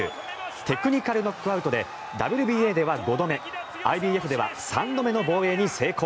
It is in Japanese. テクニカルノックアウトでＷＢＡでは５度目ＩＢＦでは３度目の防衛に成功。